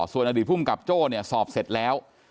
ส่วนอดีตภูมิกับโจ้เนี่ยสอบเสร็จแล้ว